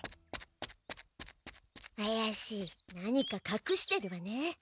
何かかくしてるわね。